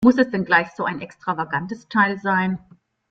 Muss es denn gleich so ein extravagantes Teil sein?